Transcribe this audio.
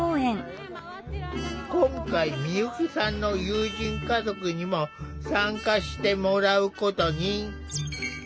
今回美由紀さんの友人家族にも参加してもらうことに。